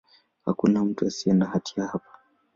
Hakuna mtu asiye na hatia hapa.